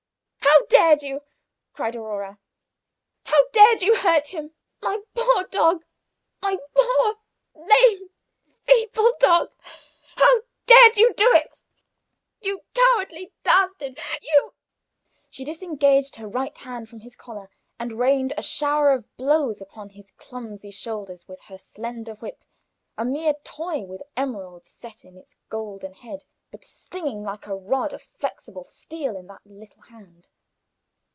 "How dared you!" cried Aurora "how dared you hurt him? My poor dog! My poor, lame, feeble dog! How dared you do it? You cowardly dastard! you " She disengaged her right hand from his collar, and rained a shower of blows upon his clumsy shoulders with her slender whip; a mere toy, with emeralds set in its golden head, but stinging like a rod of flexible steel in that little hand.